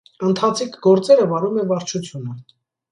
Ընթացիկ գործերը վարում է վարչությունը։